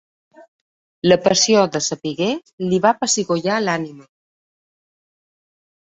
La passió de sapiguer li va pessigollar l'ànima.